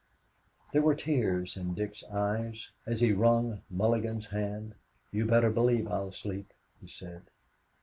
There were tears in Dick's eyes as he wrung Mulligan's hand. "You better believe I'll sleep," he said.